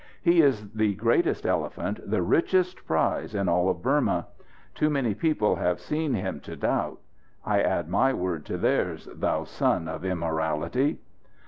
"He is the greatest elephant, the richest prize, in all of Burma. Too many people have seen him to doubt. I add my word to theirs, thou son of immorality!"